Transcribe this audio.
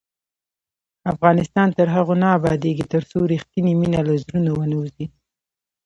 افغانستان تر هغو نه ابادیږي، ترڅو رښتینې مینه له زړونو ونه وځي.